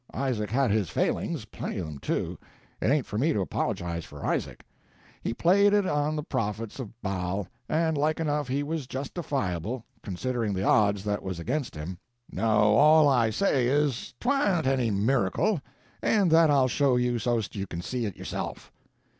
Isaac had his failings plenty of them, too; it ain't for me to apologize for Isaac; he played it on the prophets of Baal, and like enough he was justifiable, considering the odds that was against him. No, all I say is, 'twa'n't any miracle, and that I'll show you so's't you can see it yourself.